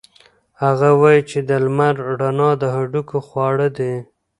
هغه وایي چې د لمر رڼا د هډوکو خواړه دي.